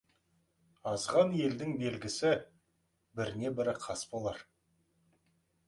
Азған елдің белгісі — біріне-бірі қас болар.